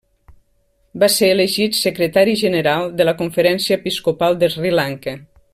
Va ser elegit Secretari General de la Conferència Episcopal de Sri Lanka.